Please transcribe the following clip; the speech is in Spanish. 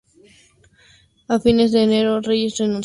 A fines de enero, Reyes renunció nuevamente.